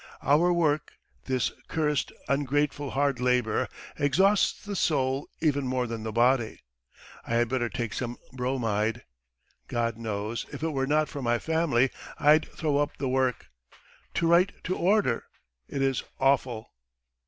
"Our work, this cursed, ungrateful hard labour, exhausts the soul even more than the body. ... I had better take some bromide. ... God knows, if it were not for my family I'd throw up the work. ... To write to order! It is awful."